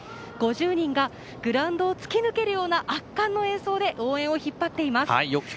５０人がグラウンドを突き抜けるような圧巻の演奏で応援を引っ張っています。